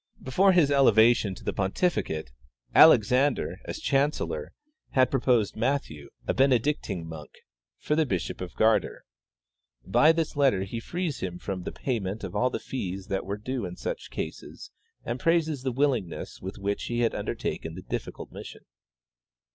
" Before his elevation to the pontificate Alexander, as chan cellor, had proposed Matthew, a Benedictine monk, for the bishop of Gardar. By this letter he frees liim from the payment of all fees that were due in such cases and praises the willingness with which he had undertaken the difficult mission.